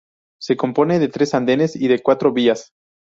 Se compone de tres andenes y de cuatro vías.